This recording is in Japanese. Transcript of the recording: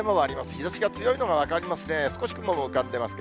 日ざしが強いのが分かりますね。